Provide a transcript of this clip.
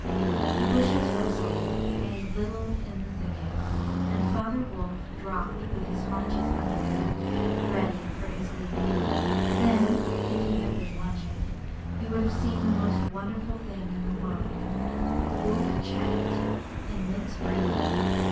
The bushes rustled a little in the thicket, and Father Wolf dropped with his haunches under him, ready for his leap. Then, if you had been watching, you would have seen the most wonderful thing in the world the wolf checked in mid spring.